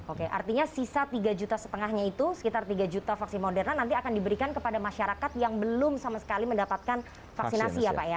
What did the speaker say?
oke artinya sisa tiga juta setengahnya itu sekitar tiga juta vaksin moderna nanti akan diberikan kepada masyarakat yang belum sama sekali mendapatkan vaksinasi ya pak ya